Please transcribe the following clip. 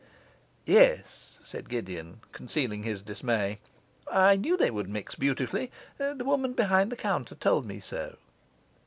'Yes,' said Gideon, concealing his dismay, 'I knew they would mix beautifully; the woman behind the counter told me so.